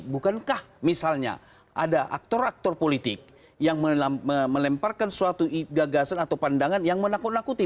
bukankah misalnya ada aktor aktor politik yang melemparkan suatu gagasan atau pandangan yang menakut nakuti